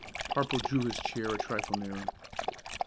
Harple drew his chair a trifle nearer.